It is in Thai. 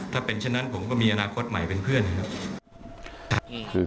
ถ้าเป็นฉะนั้นผมก็มีอนาคตใหม่เป็นเพื่อน